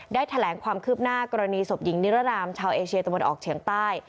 แถลงความคืบหน้ากรณีศพหญิงนิรนามชาวเอเชียตะวันออกเฉียงใต้